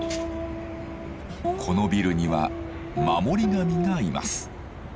このビルには守り神がいます。